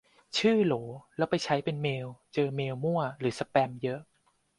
ชื่อโหลแล้วไปใช้เป็นเมล เจอเมลมั่วหรือสแปมเยอะ